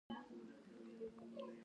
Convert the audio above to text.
انسان له انسان څخه په تېښته و.